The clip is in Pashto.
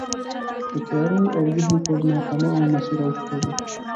د تیارو او جهل پر ناتمامه مسیر اوښتي دي.